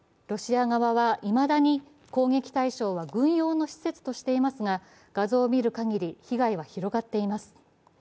ロシア側は、いまだに攻撃対象は軍用の施設としていますが、画像を見るかぎり、被害は広がっています。